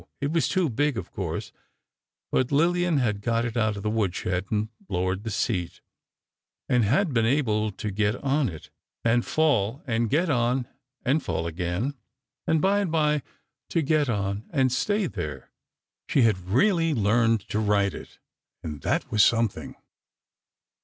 It was too big, of course, but Lillian had got it out of the woodshed and lowered the seat, and had been able to get on it, and fall, and get on and fall again, and by and by to get on and stay there. She had really learned to ride it—that was something.